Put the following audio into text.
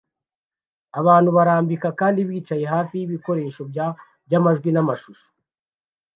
Abantu barambika kandi bicaye hafi y'ibikoresho byamajwi n'amashusho